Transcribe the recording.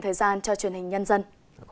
thời gian cho truyền hình nhân dân